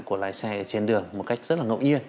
của lái xe trên đường một cách rất là ngẫu nhiên